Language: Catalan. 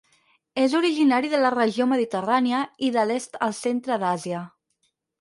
És originari de la regió mediterrània i de l'est al centre d'Àsia.